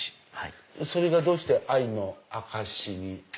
それがどうして愛の証しに？